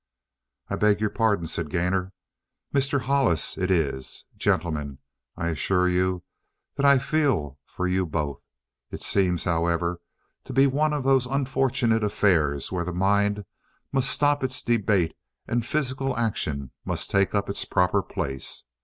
"I beg your pardon," said Gainor. "Mr. Hollis it is! Gentlemen, I assure you that I feel for you both. It seems, however, to be one of those unfortunate affairs when the mind must stop its debate and physical action must take up its proper place.